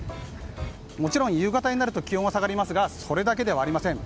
もちろん夕方になると気温は下がりますがそれだけではありません。